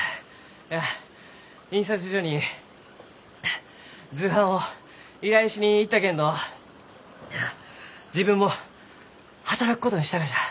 あ印刷所に図版を依頼しに行ったけんど自分も働くことにしたがじゃ。